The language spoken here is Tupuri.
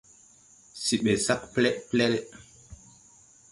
Se ɓɛ sag plɛɗplɛɗ.